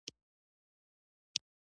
جلايي بد دی.